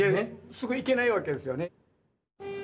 すぐ行けないわけですよね。